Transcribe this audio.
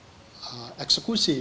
saya bertanya apa yang mau dieksekusi gitu